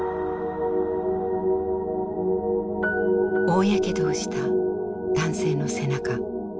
大やけどをした男性の背中。